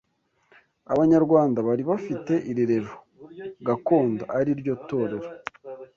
Abanyarwanda bari bafite irerero gakondo ari ryo torero